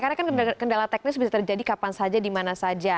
karena kan kendala teknis bisa terjadi kapan saja dimana saja